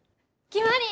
決まり！